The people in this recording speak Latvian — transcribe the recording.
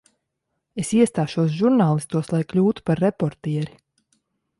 Es iestāšos žurnālistos, lai kļūtu par reportieri.